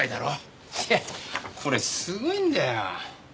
これすごいんだよ。